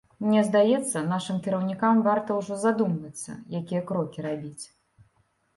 Мне здаецца, нашым кіраўнікам варта ўжо задумвацца, якія крокі рабіць.